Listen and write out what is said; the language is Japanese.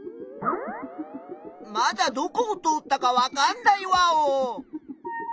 まだどこを通ったかわかんないワオ！